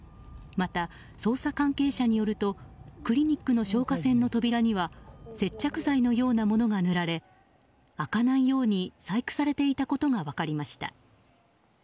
また、捜査関係者によるとクリニックの消火栓の扉には接着剤のようなものが塗られ開かないように細工されていたことが分かりました。